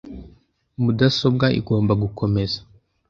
Mudasobwa igomba gukomeza